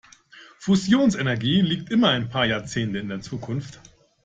Fusionsenergie liegt immer ein paar Jahrzehnte in der Zukunft.